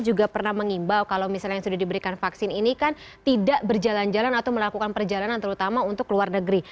juga pernah mengimbau kalau misalnya yang sudah diberikan vaksin ini kan tidak berjalan jalan atau melakukan perjalanan terutama untuk luar negeri